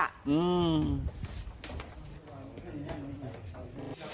อืม